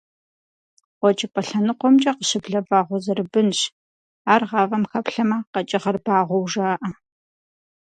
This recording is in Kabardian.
Къуэкӏыпӏэ лъэныкъуэмкӏэ къыщыблэ вагъуэ зэрыбынщ, ар гъавэм хэплъэмэ, къэкӏыгъэр багъуэу жаӏэ.